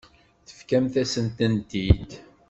Tefkamt-asen-tent-id.